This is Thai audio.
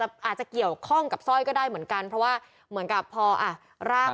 โครบติพบร่างเนี้ยด้วยทีห้วนครลดที่คอยู่เขาบอกเป็นสร้อยของอิตาลีเส้นใหญ่